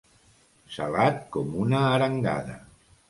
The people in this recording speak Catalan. Salat com una arengada.